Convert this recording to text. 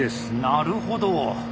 なるほど。